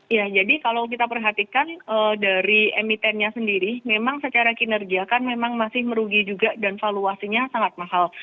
ya jadi kalau kita perhatikan dari emitennya sendiri memang secara kinerja kan memang masih merugi juga dan valuasinya sangat mahal